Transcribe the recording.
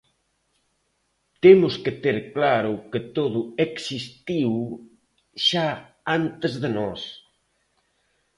Temos que ter claro que todo existiu xa antes de nós.